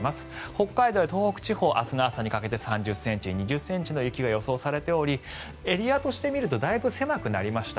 北海道や東北地方明日の朝にかけて３０ｃｍ２０ｃｍの雪が予想されておりエリアとして見るとだいぶ狭くなりました。